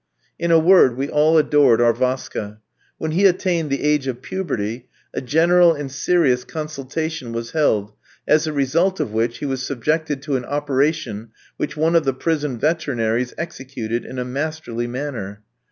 In a word, we all adored our Vaska. When he attained the age of puberty, a general and serious consultation was held, as the result of which, he was subjected to an operation which one of the prison veterinaries executed in a masterly manner.